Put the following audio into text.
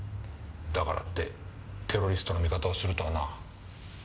だからってテロリストの味方をするとはな。